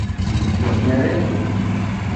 Mirih.